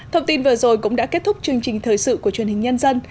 thông tin vừa rồi cũng đã kết thúc chương trình thời sự của truyền hình nhân dân